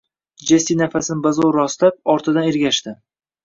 Jessi nafasini bazo`r rostlab, ortidan ergashdi